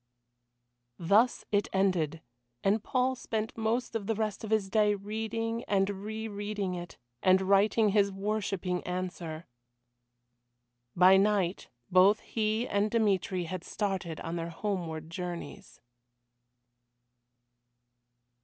Thus it ended. And Paul spent most of the rest of his day reading and re reading it, and writing his worshipping answer. By night both he and Dmitry had started on their homeward journeys.